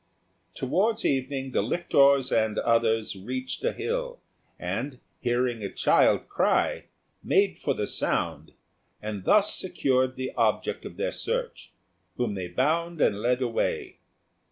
Towards evening the lictors and others reached a hill, and, hearing a child cry, made for the sound, and thus secured the object of their search, whom they bound and led away.